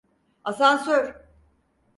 Asansör!